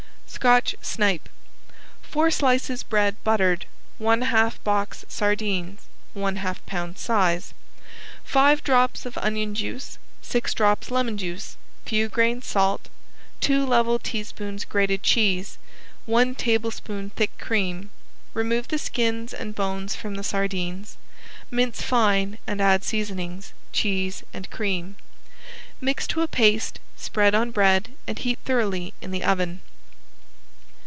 ~SCOTCH SNIPE~ Four slices bread buttered, one half box sardines (one half pound size), five drops of onion juice, six drops lemon juice, few grains salt, two level teaspoons grated cheese, one tablespoon thick cream. Remove the skins and bones from the sardines, mince fine and add seasonings, cheese and cream. Mix to a paste, spread on bread and heat thoroughly in the oven.